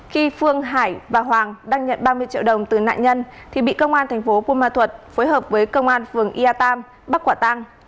khi phương hải và hoàng đăng nhận ba mươi triệu đồng từ nạn nhân thì bị công an tp bumatut phối hợp với công an phường ia tam bắt quả tăng